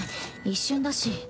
一瞬だし。